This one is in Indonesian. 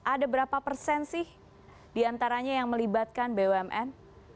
ada berapa persen sih diantaranya yang melibatkan bumn